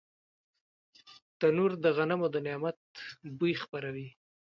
تنور د غنمو د نعمت بوی خپروي